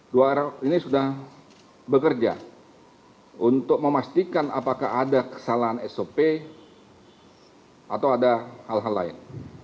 dua orang ini sudah bekerja untuk memastikan apakah ada kesalahan sop atau ada hal hal lain